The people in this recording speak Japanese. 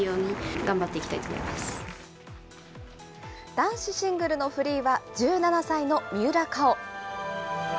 男子シングルのフリーは、１７歳の三浦佳生。